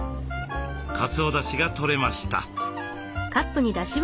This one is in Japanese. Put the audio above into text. かつおだしがとれました。